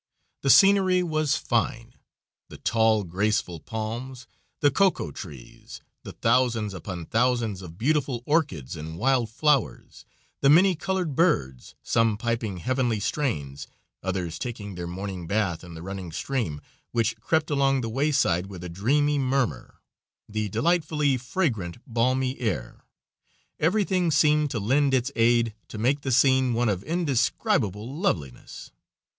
The scenery was fine. The tall, graceful palms, the cocoa trees, the thousands upon thousands of beautiful orchids and wild flowers, the many colored birds, some piping heavenly strains, others taking their morning bath in the running stream which crept along the wayside with a dreamy murmur; the delightfully fragrant, balmy air, everything seemed to lend its aid to make the scene one of indescribable loveliness.